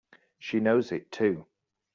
She knows it too!